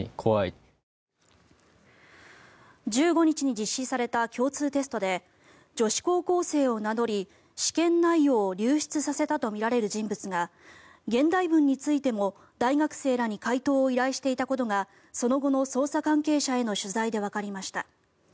１５日に実施された共通テストで女子高校生を名乗り、試験内容を流出させたとみられる人物が現代文についても、大学生らに解答を依頼していたことがその後の捜査関係者への取材でわかりました。